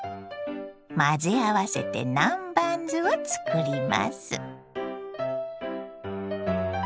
混ぜ合わせて南蛮酢を作ります。